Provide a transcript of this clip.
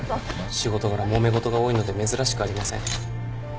仕事柄もめ事が多いので珍しくありません。